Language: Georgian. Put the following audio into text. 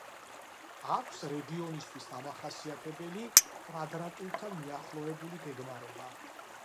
აქვს რეგიონისთვის დამახასიათებელი კვადრატულთან მიახლოებული გეგმარება.